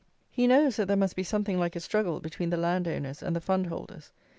He knows, that there must be something like a struggle between the land owners and the fund holders.